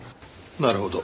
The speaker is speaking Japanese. なるほど。